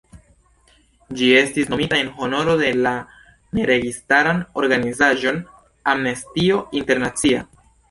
Ĝi estis nomita en honoro de la ne-registaran organizaĵon "Amnestio Internacia".